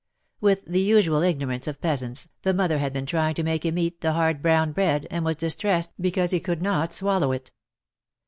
With the usual ignorance of peasants, the mother had been trying to make him eat the hard brown bread, and was dis tressed because he could not swallow it.